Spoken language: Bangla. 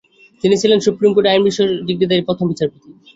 তিনি ছিলেন সুপ্রিম কোর্টে আইন বিষয়ে ডিগ্রিধারী প্রথম বিচারপতি।